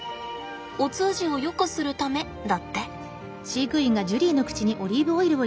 お通じをよくするためだって。